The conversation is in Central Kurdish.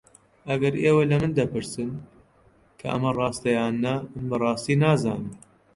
ئەگەر ئێوە لە من دەپرسن کە ئەمە ڕاستە یان نا، من بەڕاستی نازانم.